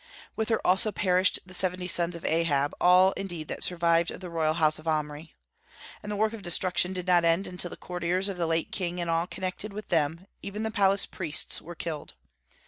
With her also perished the seventy sons of Ahab, all indeed that survived of the royal house of Omri. And the work of destruction did not end until the courtiers of the late king and all connected with them, even the palace priests, were killed.